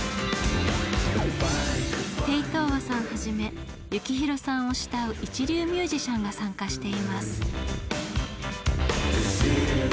テイ・トウワさんはじめ幸宏さんを慕う一流ミュージシャンが参加しています。